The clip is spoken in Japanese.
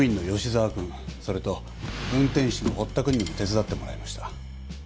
それと運転手の堀田くんにも手伝ってもらいました。